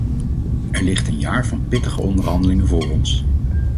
Er ligt een jaar van pittige onderhandelingen voor ons.